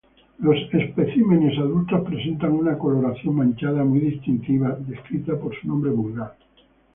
Los especímenes adultos presentan una coloración manchada muy distintiva, descrita por su nombre vulgar.